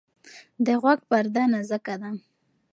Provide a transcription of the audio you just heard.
د غوږ پرده نازکه ده.